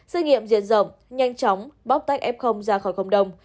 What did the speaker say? xử nghiệm diện rộng nhanh chóng bóc tách f ra khỏi không đông